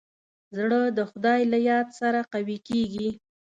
زړه د خدای له یاد سره قوي کېږي.